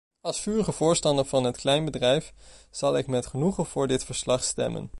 Als vurig voorstander van het kleinbedrijf, zal ik met genoegen voor dit verslag stemmen.